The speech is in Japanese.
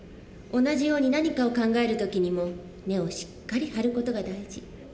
同じように何かを考える時にも根をしっかり張る事が大事。